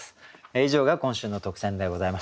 以上が今週の特選でございました。